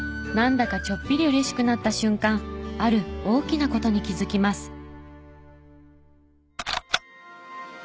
なんだかちょっぴり嬉しくなった瞬間ある大きな事に気づきます。